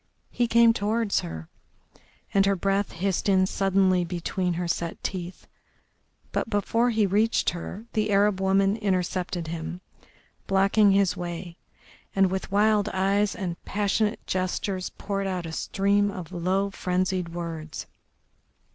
He came towards her, and her breath hissed in suddenly between her set teeth, but before he reached her the Arab woman intercepted him, blocking his way, and with wild eyes and passionate gestures poured out a stream of low, frenzied words.